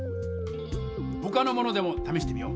ほかのものでもためしてみよう！